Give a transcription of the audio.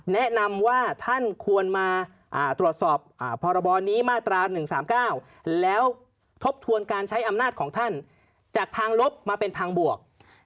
แนะนำว่าท่านควรมาตรวจสอบพรบนี้มาตรา๑๓๙แล้วทบทวนการใช้อำนาจของท่านจากทางลบมาเป็นทางบวก